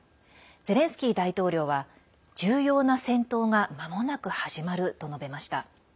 ゼレンスキー大統領は重要な戦闘がまもなく始まると述べました。